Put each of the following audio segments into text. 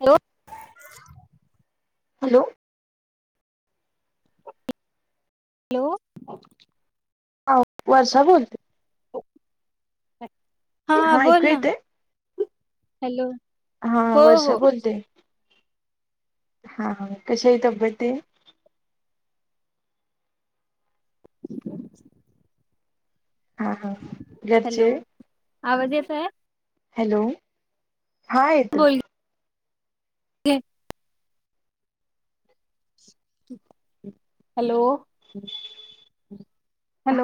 Hello. Hello. Hello. आहो वर्षा बोलते. हा हा ऐकू बोल ना. येते हॅलो. हा हा हो हो वर्षा बोलते. हा हा कशी आहे तब्येती? ह [inaudible] हां हां घरचे आवज येतोय आहे? हॅलो हा येतोय. के [unintelligible] हॅलो,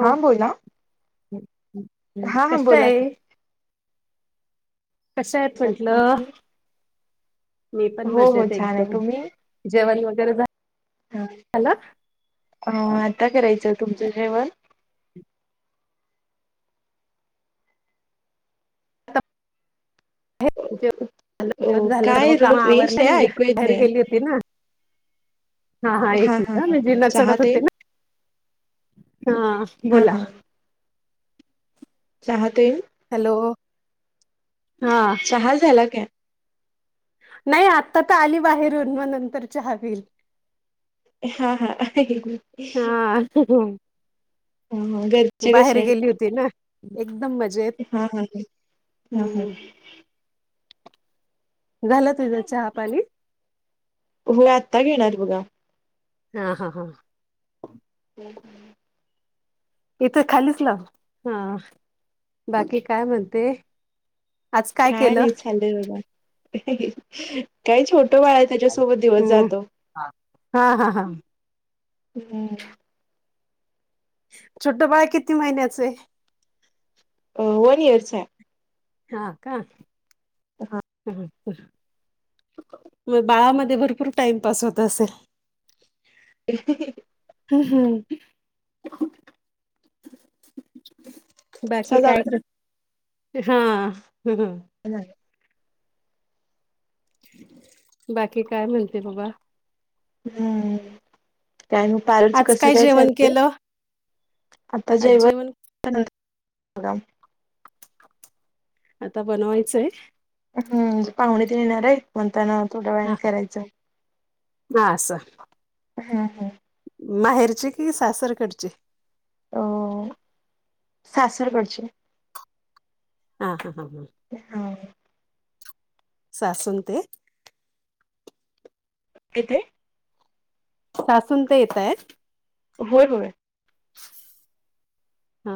हा बोला हा हा कशा बोला आहे? की कशा आहेत म्हंटलं? हो मी पण मजेत हो आहे छान एकदम जेवण वगैरे झाल. ह आता करायचं. तुमचं जेवण? हेच अ जेवण झालं तर मग काय सर्व र काम रेंज नाही आवरल्यानी ऐकू घरी येत बाहेर नाही गेली होती ना. हा हा एक हा मिनट हा. जिन्हा चहा चढत ते होते ना. हा हा बोला. हा चहा दे हॅलो हा.. चहा झाला काय? नाही आत्ता तर आली बाहेरून म नंतर चहा पिल. हा हा. हा घरचे बाहेर कसे आहेत गेली होती होती ना एकदम मजे हा हा हा हा हा. झाला तुझा चहा, पाणी? हो मी आत्ता घेणार बघा. हा हा हा. हम्म, हम्म. इथं खालीच लाव हा बाकी काय म्हणते? आज काय केलं? नाही चाललंय बाघा, काही छोट बाळ- त्याच्यासोबत दिवस हम्म जातो. हा हा हा. [inaudible] छोटं बाळ किती महिन्याच हाय? वन इयरच आहे. हा का? हा [inaudible] मग बाळामध्ये भरपूर टाइमपास होत असेल? [inaudible] [inaudible] बाकी असा काय? जातो [unintelligible] [inaudible] बाकी काय म्हणते बाबा? हम्म, काय म्ह- बारच [unintelligible] आज कस काय जेवण चाललं केलं? आता आज जेव्हा- जेवण [unintelligible] आता बनवायचंय. हम्म, पाहुणे तेन येणार आहे, म्हणताना थोड्या वेळेन करायचं. हा असं. हं, हं. माहेरची कि सासरकडची? अ.. सासरकडची. हा हा. [unintelligible] [inaudible] सासून ते- किती? सासू अन ते येतायेत. होय, होय. [unintelligible]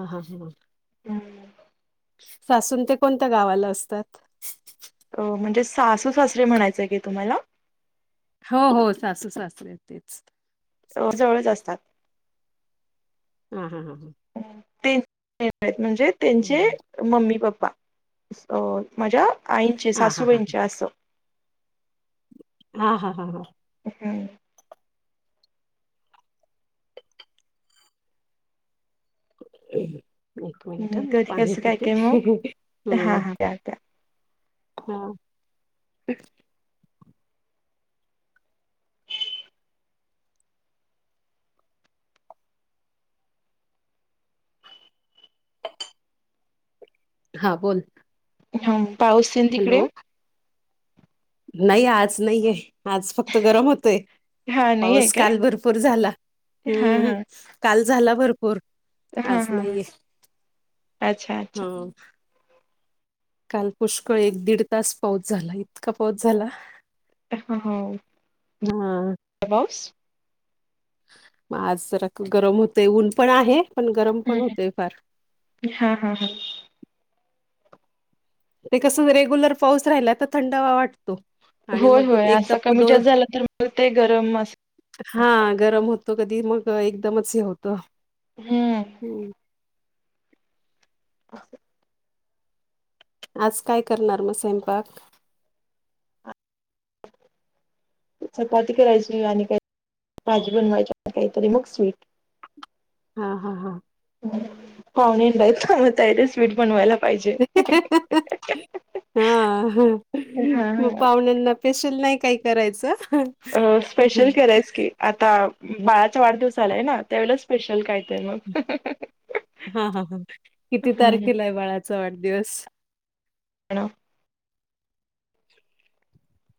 हा, हा. [inaudible] सासू अन ते कोणत्या गावाला असतात? अ म्हणजे सासू, सासरे म्हणायचंय की तुम्हाला? हो, हो सासू सासरे तेच. जवळच असतात. हा, हा, हा. ते येतेय म्हणजे हा त्येंचे- मम्मी, पप्पा अ माझ्या आईंचे हा हा सासूबाईंचे असं. हा, हा, हा, हा. हं. [inaudible] एक मनिट ह, मी कधी पाणी कसं काय पिते. काय मग हा हं. हा त्या त्या मग? हा बोल. हा, पाऊस येन तिकडे? हॅलो नाही आज नाईये, आज फक्त गरम होतय. हा नाही आहे पाऊस काय काल भरपूर झाला. हा हम्म. हा काल झाला भरपूर. हा हा आज हा नाही येत अच्छा अच्छा हा. काल पुष्कळ एक, दीड तास पाऊस झाला इतका पाऊस झाला. हा. पाऊस. म आज जरा गरम होतेय ऊन पण आहे पण गरम पण हम्म होतेय फार. हा हा हा. ते कस रेगुलर पाऊस राहिला तर थंडावा वाटतो. आणि होय, मग होय एकदा असं कमी दोन जास्त झाला तर मग ते गरम अस. हा गरम होतो कधी मग एकदमच हे होत. हम्म.. असं. आज काय करणार मग स्वयंपाक? चपाती करायची आणि काही तरी भाजी बनवायची आणि काहीतरी मग स्वीट. हा हा हा. पावणेन लय थांबता आहेेतरे स्वीट बनवायला पाहिजे ह हा ह हा पावण्यांना स्पेशल नाही काही करायचं? अ स्पेशल हा करायच की आता बाळाचा वाढदिवस आलाय ना त्यावेळे स्पेशल काय तर मग. हा हा हा किती हम्म. तारखेला आहे बाळाचा वाढदिवस? न [inaudible]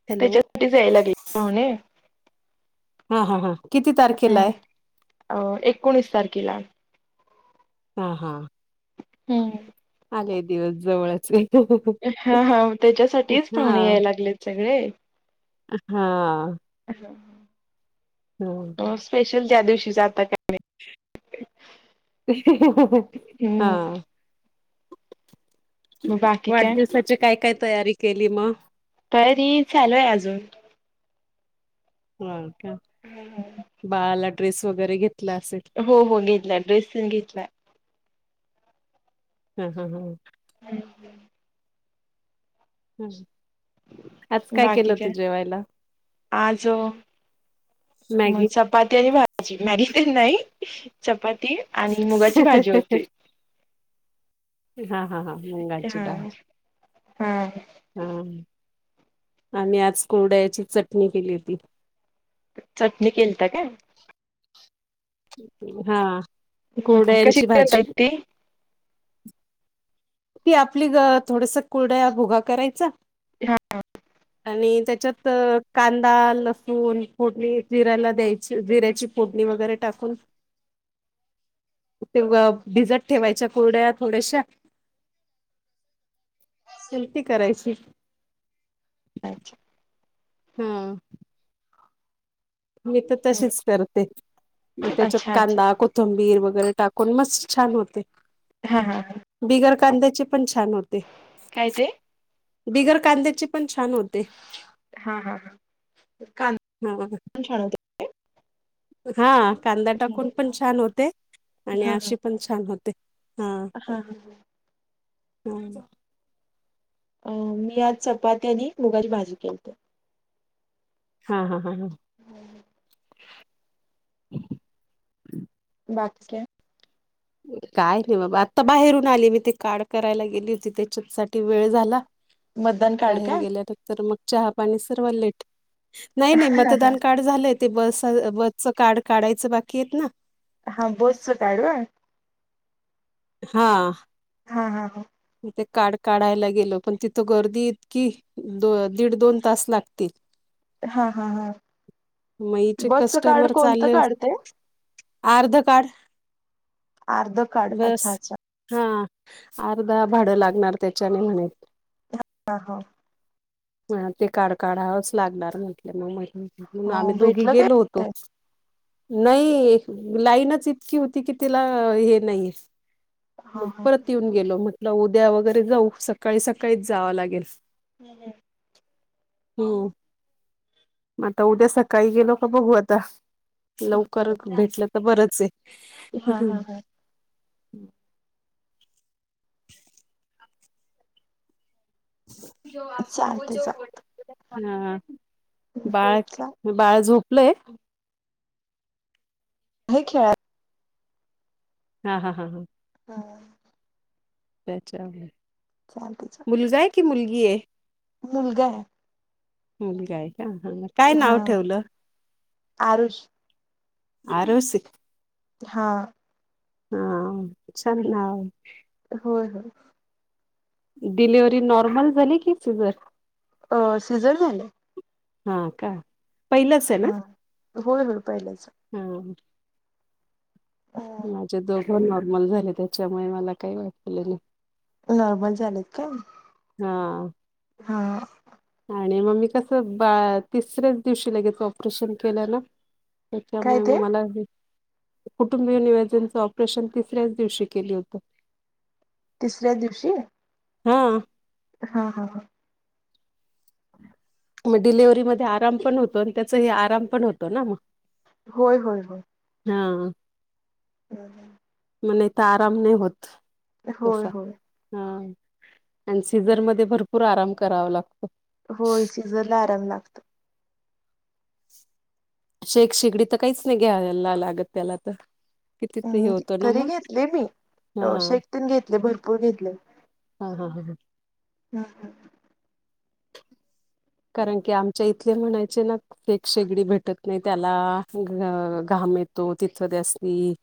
हॅलो त्याच्यासाठी यायला लागलेत पाहुणे. हा हा हा. किती तारखेला आहे? हम्म, अ एकोणीस तारखेला. हा हा आले दिवस जवळचे नाही? हा हा त्याच्यासाठीच पाहुणे हा याय लागलेत सगळे. हा. ह. हो, हो. स्पेशल त्या दिवशी आता काय हा. हम्म. मग बाकी काय वाढदिवसाची काय, काय तयारी केली मग? तरी चालू हाय अजून. हा का बाळाला ड्रेस वगैरे घेतला असेल? हो हो घेतलाये ड्रेस पण घेतलाये. हम्म, हम्म. हॅलो. हम्म आज काय केलं होत जेवायला? आज मग मॅगी. चपाती आणि भाजी मॅग्गी तेन नाही चपाती आणि मुगाची भाजी होती हा हा हा मुंगाची हा. डाळ हा.. हा आम्ही आज कोरड्याची चटणी केली होती. चटणी केलता काय? हा हम्म कशी कोरड्यांची भाजी. करताय ती? ती आपली थोडस कुर्ड्या भुगा करायचा. [unintelligible] आणि त्याच्यात कांदा, लसूण फोडणी जिऱ्याला द्यायची. जिऱ्याची फोडणी वगैरे टाकून. [inaudible] ते व भिजत ठेवायच्या कुरडया, थोड्याशा. शिलपी करायची. अच्छा. हम. मी तर तशीच करते. मग त्याच्यात अच्छा अच्छा कांदा, कोथ तंबीर वगैरे टाकून, मस्त छान होते. हां, हां, हां. बिगर कांद्याची पण छान होते. काय ते? बिगर कांद्याची पण छान होते. हा, हा, हा. कान ह अ. खूप छान होते. हा. कांदा टाकून पण छान होते. आणि हा आशी पण छान होते. हा. हा, हा, हा. हो, ना. अ मी आज, चपाती आणि मुगाची भाजी केलते. हा, हा, हा, ह. हम्. बाकी काय? काय नाही बाबा. आता बाहेरून आली मी. ते काड करायला गेली होती. त्याच्यातसाठी वेळ झाला. मतदान कार्ड बाहेर का? गेल्यानंतर मग चहापाणी सर्व लेट. नाही - नाही हा हा मतदान काढ झालंय. ते बस- बसच कार्ड काढायचं बाकीयेत ना. हा, बसच कार्ड होय. हा. हा, हा, हा. ते काड काढायला गेलो. पण तिथं गर्दी इतकी दो दीड - दोन तास लागतील. हा हा हा म हीचे बसचं कार्ड कस्टमर कोणतं चालले कार्ड ते? आर्ध कार्ड. आर्ध कार्ड. अच्छा- अच्छा. हा, अर्धा भाडं लागणार त्याच्याने, म्हणे. ह, ह. ह, ते कार्ड काढावंच लागणार, म्हटलं. मग म्हणून म्हून, हा आम्ही दोघी भेटलं काय? गेलो होतो. नाही, लाईनच इतकी होती कि, तिला हे नाहीये हा मग हा परत येऊन गेलो. म्हटलं, उद्या वगैरे जाऊ. सकाळी सकाळीच जावं लागेल. ह, ह. हम्म. मग आता उद्या सकाळी गेलो का, बघू आता. लवकर भेटलं तर बरंचय. हां हां हां. [inaudible] चालतंय चालतंय. हा बाळ चा बाळ झोपलंय? हे खेळा हा हा हा हा. हा. त्याच चालते चाल. मुलगा आहे की? मुलगी आहे? मुलगा आहे. मुलगा आहे. काय हा नाव ठेवलं? आरुष आरोस हा. हा छान नाव आहे. होय होय ‌. डिलिव्हरी नॉर्मल झाली की सिझर? अं सिझर झालय. हा का. पहिलंच हा होय, होय पहिल्याच. हम्म. माझे दोघं नॉर्मल झाले त्याच्यामुळे मला काही वाटले नाही. नॉर्मल झालेत काय? हा हा. आणि मग मी कसं बा तिसऱ्याच दिवशी लगेचं ऑपरेशन केल्या ना. काय त्याच्यामुळे ते मग मला हे कुटुंबीय नियोजनचं ऑपरेशन तिसऱ्या दिवशी केली होतं. तिसऱ्या दिवशी? हम्म. हा हा हा. मग डिलिव्हरी मध्ये आराम पण होतो आणि त्याचाही आराम पण होतो ना मग. होय, होय, होय. हा. हम् हम. [inaudible] म नाहीत आराम नाही होत. होय तसा होय हा आणि सीझर मध्ये भरपूर आराम करावा लागतो. होय, सीझरला आराम लागतो. शेक, शेगडी तर काहीच नाही घ्या लागत त्याला तर. किती ते हे हम्म, होतं ना तरी मग घेतले मी हा शेकतेन घेतले भरपूर घेतले. हा हा ह ह. हम्म. कारण की, आमच्या इथले म्हणायचे ना शेक, शेगडी भेटत नाही त्याला घाम येतो तिथ त्यासनी.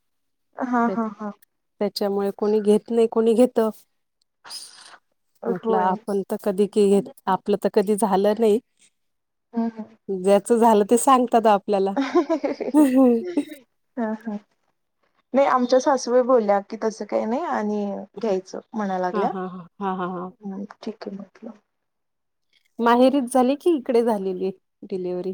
हा हा हा. त्याच्यामुळे कोणी घेत नाही कोणी घेत म्हटलं होय आपण तर कधी क घे आपलं तर कधी झालं नाही. हम्म हम्म. ज्याच झालं ते, सांगतात आप ह्ह्ह [unintelligible] ह ह. नाही आमच्या सासूबाई बोलल्या की, तसं काही नाही, आणि घ्यायचं. म्हणाय हा लागल्या, हा हा हा हा हा. ठीके म्हटलं. माहेरीच झाली. की इकडे झालेलीय, डिलेव्हरी?